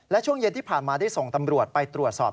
และช่วงเย็นที่ผ่านมาได้ส่งตำรวจไปตรวจสอบ